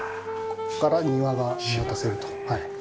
ここから庭が見渡せると。